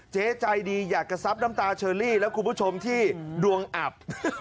เจ๊ใจดีอยากจะซับน้ำตาเชอรี่และคุณผู้ชมที่ดวงอับ